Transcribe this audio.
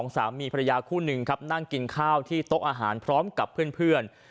สามีภรรยาคู่หนึ่งครับนั่งกินข้าวที่โต๊ะอาหารพร้อมกับเพื่อน